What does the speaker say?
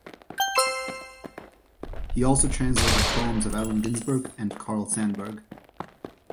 He also translated poems of Allen Ginsberg and Carl Sandburg.